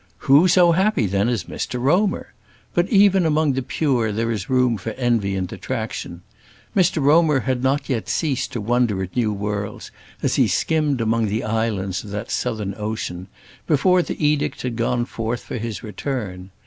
Who so happy then as Mr Romer! But even among the pure there is room for envy and detraction. Mr Romer had not yet ceased to wonder at new worlds, as he skimmed among the islands of that southern ocean, before the edict had gone forth for his return.